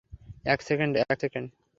এক সেকেন্ড, এক সেকেন্ড।